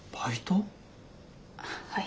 はい。